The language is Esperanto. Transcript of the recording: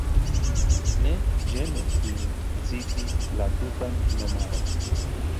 Ne ĝenu vin citi la tutan nomaron.